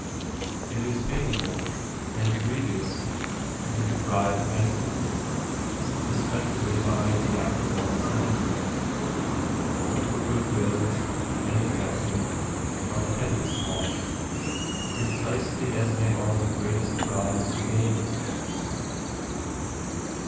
It is painful and grievous to be de prived of anything, especially by the act of one 's enemy ; but your good will and affection are the heaviest loss, precisely as they are the greatest prize to gain.